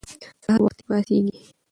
سهار وختي پاڅیږئ.